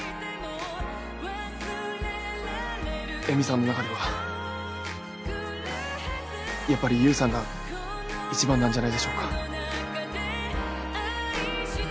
恵美さんの中ではやっぱり優さんが一番なんじゃないでしょうか？